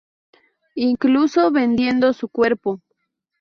Incluso vendiendo su cuerpo.